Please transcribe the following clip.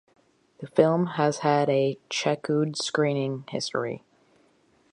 The film has had a chequered screening history.